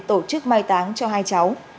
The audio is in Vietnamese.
tổ chức mai táng cho hai cháu